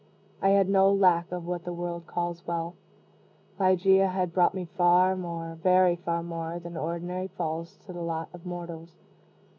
I had no lack of what the world calls wealth. Ligeia had brought me far more, very far more, than ordinarily falls to the lot of mortals.